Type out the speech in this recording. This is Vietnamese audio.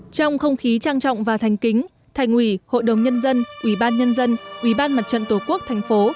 trong không khí trang trọng và thành kính thành ủy hội đồng nhân dân ủy ban nhân dân ủy ban mặt trận tổ quốc thành phố